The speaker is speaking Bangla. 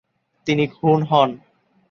তিনি খুন হন।